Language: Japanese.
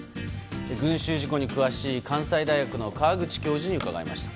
群衆事故に詳しい関西大学の川口教授に伺いました。